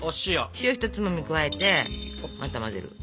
塩をひとつまみ加えてまた混ぜる。